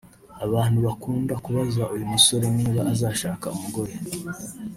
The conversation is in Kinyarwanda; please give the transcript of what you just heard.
Abantu bakunda kubaza uyu musore niba azashaka umugore